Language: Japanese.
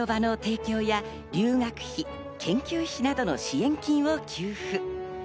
財団生には学びの場の提供や留学費、研究費などの支援金を給付。